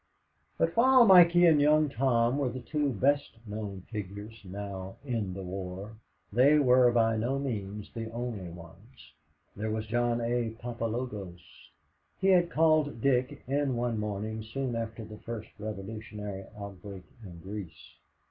But while Mikey and Young Tom were the two best known figures now "in the war," they were by no means the only ones. There was John A. Papalogos. He had called Dick in one morning soon after the first revolutionary outbreak in Greece.